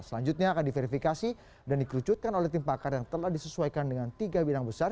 selanjutnya akan diverifikasi dan dikerucutkan oleh tim pakar yang telah disesuaikan dengan tiga bidang besar